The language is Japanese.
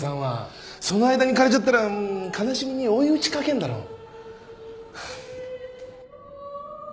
その間に枯れちゃったら悲しみに追い打ちかけんだろ？ハァ。